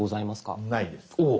ないです。